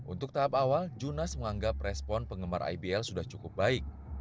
untuk tahap awal junas menganggap respon penggemar ibl sudah cukup baik